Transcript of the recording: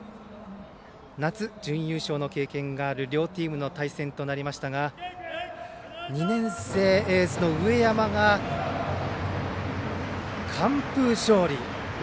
夏、準優勝の経験のある両チームの対戦となりましたが２年生エースの上山が完封勝利。